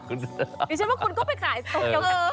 มีชั้นว่าคุณก็ไปขายเออ